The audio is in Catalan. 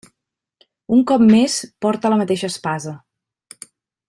Un cop més, porta la mateixa espasa.